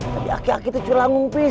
tadi aki aki tuh curang ngumpis